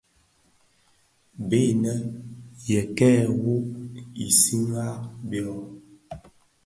Bèè inë yê kêê wôôgh i digsigha byôm.